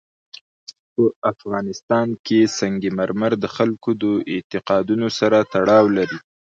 په افغانستان کې سنگ مرمر د خلکو د اعتقاداتو سره تړاو لري.